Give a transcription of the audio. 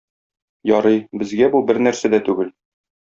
Ярый, безгә бу бернәрсә дә түгел.